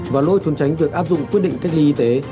và lỗi trốn tránh được áp dụng quyết định cách ly y tế